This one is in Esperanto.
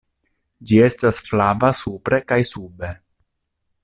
Ĝi estas flava supre kaj sube.